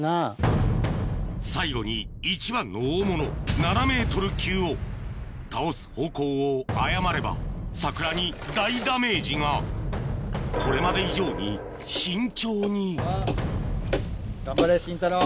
最後に一番の大物７ｍ級を倒す方向を誤ればサクラに大ダメージがこれまで以上に慎重に頑張れシンタロー。